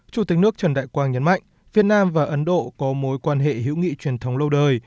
chủ tịch nước trần đại quang nhấn mạnh việt nam và ấn độ có mối quan hệ hữu nghị truyền thống lâu đời